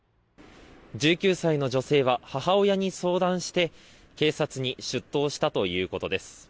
１９歳の女性は母親に相談して警察に出頭したということです。